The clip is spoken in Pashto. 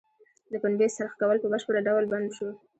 د پنبې څرخ کول په بشپړه ډول بند شو.